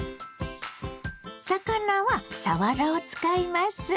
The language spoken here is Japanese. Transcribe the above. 魚はさわらを使います。